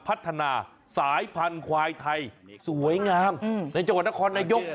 พัฒนาสายพันธุ์ควายไทยสวยงามในจังหวัดนครนายก